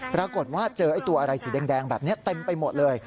ปรากฏว่าเจอตัวอะไรสีแดงแบบนี้เต็มไปหมดเลย